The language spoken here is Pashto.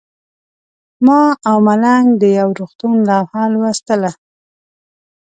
ما او ملنګ د یو روغتون لوحه لوستله.